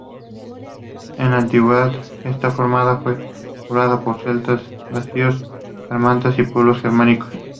En la antigüedad, esta zona fue poblada por celtas, dacios, sármatas y pueblos germánicos.